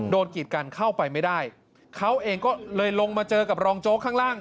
กีดกันเข้าไปไม่ได้เขาเองก็เลยลงมาเจอกับรองโจ๊กข้างล่าง